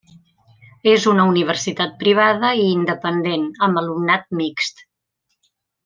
És una universitat privada i independent amb alumnat mixt.